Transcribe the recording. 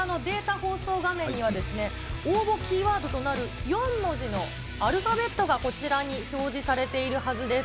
放送画面には、応募キーワードとなる４文字のアルファベットがこちらに表示されているはずです。